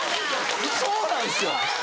そうなんですよ。